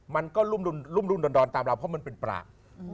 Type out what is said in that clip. มันก็รุ่มดอนตามเราเพราะมันเป็นปราก